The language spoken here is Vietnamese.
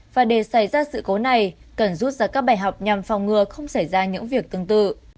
và để xảy ra sự cố này cần rút ra các bài học nhằm phòng ngừa không xảy ra những việc tương tự